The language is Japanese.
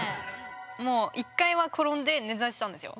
もう１回は転んで捻挫したんですよ。